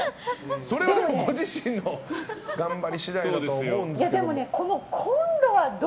それはご自身の頑張り次第だと思うんですけど。